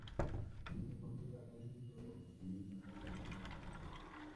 Desafortunadamente, sólo consiguió alcanzar la novena posición.